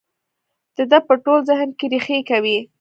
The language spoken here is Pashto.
د ده په ټول ذهن کې رېښې کوي.